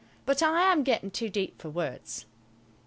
But I am getting too deep for words.